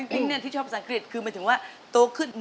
ที่ชอบภาษาอังกฤษคือหมายถึงว่าโตขึ้น